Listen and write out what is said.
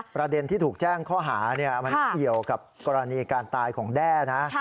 ประเด็นที่ถูกแจ้งข้อหามันเกี่ยวกับกรณีการตายของแด้นะ